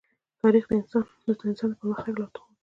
تاریخ د انسان د پرمختګ لارښود دی.